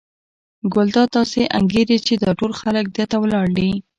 ګلداد داسې انګېري چې دا ټول خلک ده ته ولاړ دي.